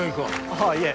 はあいえ